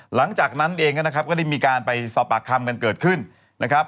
หลังจากนั้นเองก็นะครับก็ได้มีการไปสอบปากคำกันเกิดขึ้นนะครับ